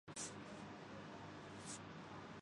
اسلام اباد میں وزیراعظم کم لاگت ہاسنگ اسکیم پر کام کا اغاز